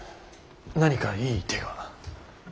何かいい手が？